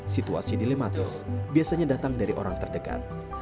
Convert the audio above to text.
situasi dilematis biasanya datang dari orang terdekat